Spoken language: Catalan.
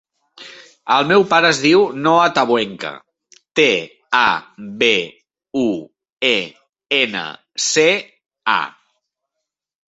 El meu pare es diu Noah Tabuenca: te, a, be, u, e, ena, ce, a.